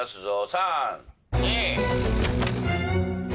・３２。